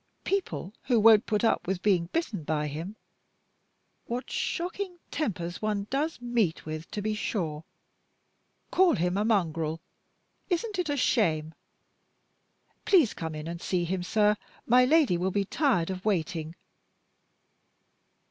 People who won't put up with being bitten by him (what shocking tempers one does meet with, to be sure!) call him a mongrel. Isn't it a shame? Please come in and see him, sir; my Lady will be tired of waiting."